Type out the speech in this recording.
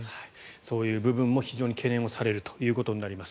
そういう部分も非常に懸念されるということになります。